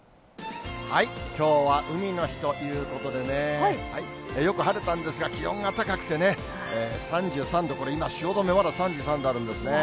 きょうは海の日ということでね、よく晴れたんですが、気温が高くてね、３３度、これ、今、汐留、まだ３３度あるんですね。